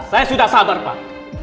saya sudah sabar pak